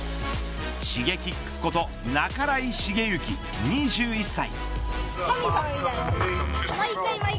Ｓｈｉｇｅｋｉｘこと半井重幸２１歳。